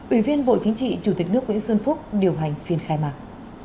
ủy viên bộ chính trị chủ tịch nước nguyễn xuân phúc điều hành phiên khai mạc